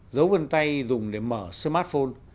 giấu gân tay dùng để mở smartphone